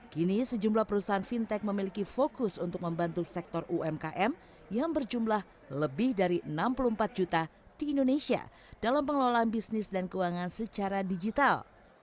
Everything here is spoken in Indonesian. kini sejumlah perusahaan fintech memiliki fokus untuk membantu sektor umkm yang berjumlah lebih dari enam puluh empat juta di indonesia dalam pengelolaan bisnis dan keuangan secara digital